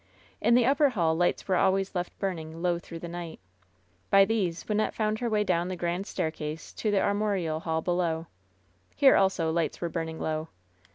In the upper hall lights were always left burning low through the night. LOVE'S BITTEREST CUP 267 By these Wynnette found her way down the grand staircase to the armorial hall below. Here, also, lights were burning low.